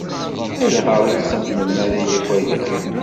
Ayɣer ur txeddmem ara akk aya?